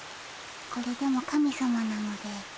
これでも神さまなので。